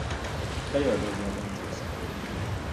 二人は同時に返事をした。